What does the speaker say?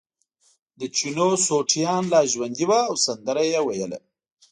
د چینو سوټیان لا ژوندي وو او سندره یې ویله.